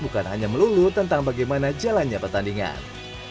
bukan hanya melulu tentang bagaimana jalannya pertandingan